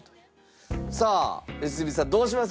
さあ良純さんどうします？